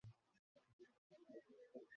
নতুবা সে কারো হাতে মারা যেতে পারে।